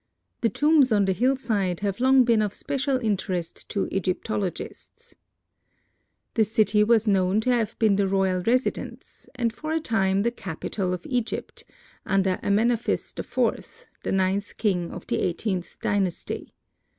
The tombs on the hillside have long been of special interest to Egyptologists. This city was known to have been the royal residence, and for a time the capital of Egypt, under Amenophis IV, the ninth king of the eighteenth dynasty.